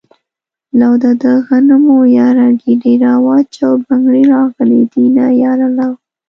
لو ده دغنمو ياره ګيډی را واچوه بنګړي راغلي دينه ياره لو